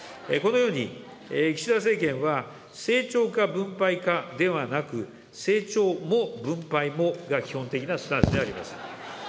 このように岸田政権は、成長か分配かではなく、成長も分配もが基本的なスタンスであります。